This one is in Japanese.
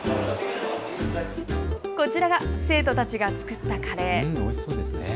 こちらが生徒たちが作ったカレー。